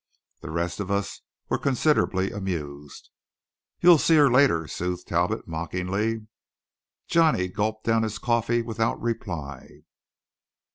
The rest of us were considerably amused. "You'll see her later," soothed Talbot mockingly. Johnny gulped down his coffee without reply.